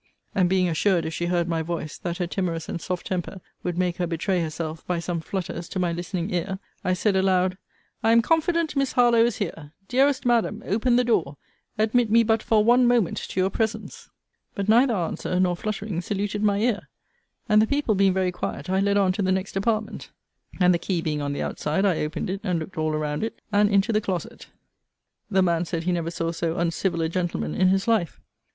And being assured, if she heard my voice, that her timorous and soft temper would make her betray herself, by some flutters, to my listning ear, I said aloud, I am confident Miss Harlowe is here: dearest Madam, open the door: admit me but for one moment to your presence. But neither answer nor fluttering saluted my ear; and, the people being very quiet, I led on to the next apartment; and, the key being on the outside, I opened it, and looked all around it, and into the closet. The man said he never saw so uncivil a gentleman in his life.